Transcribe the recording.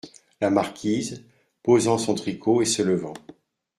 La Marquise , posant son tricot et se levant.